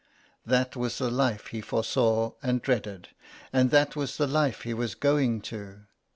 That was the life he foresaw and dreaded, and that was the life he was going to.